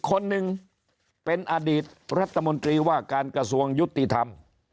คนหนึ่งเป็นอดีตรัฐมนตรีว่าการกระทรวงยุติธรรม